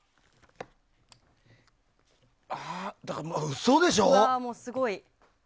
嘘でしょ？